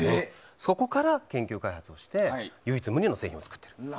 そこから研究・開発をして唯一無二の製品を作った。